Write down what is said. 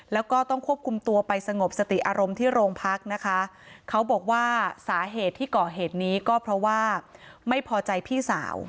แล้วก็ต้องควบคุมตัวไปสงบสติอารมณ์ที่โรงพักนะคะเขาบอกว่าสาเหตุที่ก่อเหตุนี้ก็เพราะว่าไม่พอใจพี่สาว